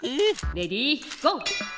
レディーゴー！